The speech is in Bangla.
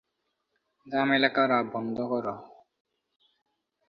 ঝামেলা করা বন্ধ কর।